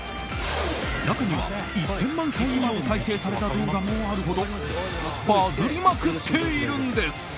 中には１０００万回以上再生された動画もあるほどバズりまくっているんです。